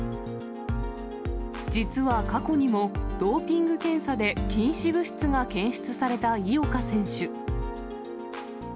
実は過去にも、ドーピング検査で禁止物質が検出された井岡選手。